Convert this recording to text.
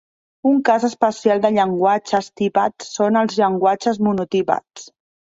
Un cas especial de llenguatges tipats són els llenguatges monotipats.